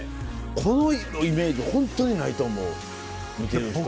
このイメージホントにないと思う見てる人。